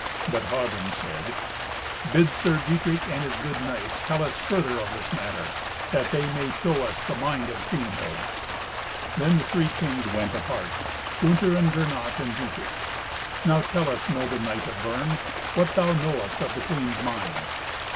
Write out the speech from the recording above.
But Hagen said, "Bid Sir Dietrich and his good knights tell us further of this matter, that they may show us the mind of Kriemhild." Then the three kings went apart: Gunther and Gernot and Dietrich. "Now tell us, noble knight of Bern, what thou knowest of the queen's mind."